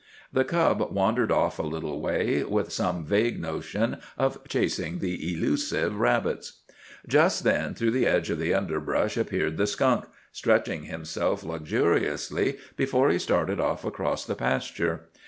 The cub wandered off a little way, with some vague notion of chasing the elusive rabbits. Just then through the edge of the underbrush appeared the skunk, stretching himself luxuriously before he started off across the pasture.